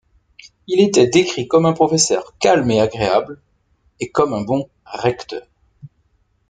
Il était décrit comme un professeur calme et agréable, et comme un bon recteur.